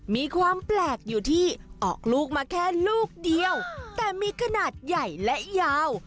มีความแปลกอยู่ที่ออกลูกมาแค่ลูกเดียวแต่มีขนาดใหญ่และยาว